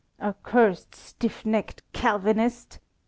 "Accursed stiff necked Calvinist!"